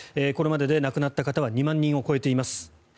これまでで亡くなった方は２万人を超えています。